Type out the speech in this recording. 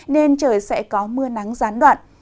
nên trời sẽ có mưa nắng gián đoạn